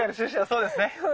そうですね。